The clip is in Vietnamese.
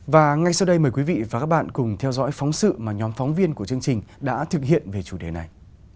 và ngay sau đây mời quý vị và các bạn cùng theo dõi phóng sự mà nhóm phóng viên của chương trình đã thực hiện về chủ đề này